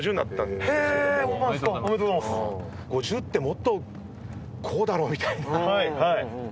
５０ってもっとこうだろうみたいな。